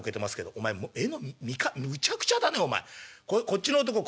「お前絵の見方むちゃくちゃだねお前。こっちの男